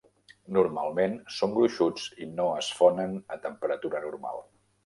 Normalment són gruixuts i no es fonen a temperatura normal.